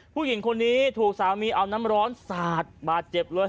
ผู้หญิงคนนี้ถูกสามีเอาน้ำร้อนสาดบาดเจ็บเลย